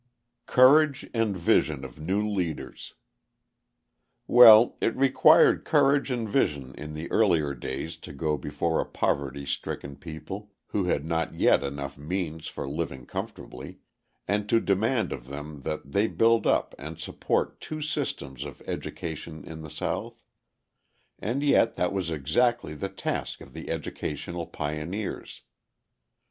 Courage and Vision of New Leaders Well, it required courage and vision in the earlier days to go before a poverty stricken people, who had not yet enough means for living comfortably, and to demand of them that they build up and support two systems of education in the South. And yet that was exactly the task of the educational pioneers.